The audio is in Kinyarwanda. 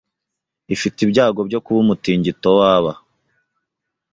ifite ibyago byo kuba umutingito waba